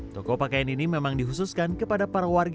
toko pakaian ini memang dihususkan kepada para warga